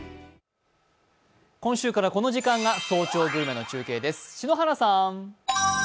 今週からこの時間が「早朝グルメ」の中継です。